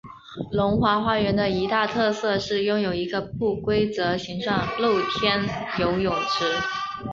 龙华花园的一大特色是拥有一个不规则形状露天游泳池。